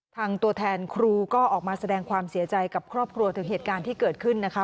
ตัวแทนครูก็ออกมาแสดงความเสียใจกับครอบครัวถึงเหตุการณ์ที่เกิดขึ้นนะคะ